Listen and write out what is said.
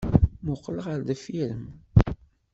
Muqel ɣer deffir-m!